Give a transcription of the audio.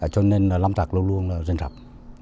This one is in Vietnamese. cho nên lâm trạc luôn luôn rên rập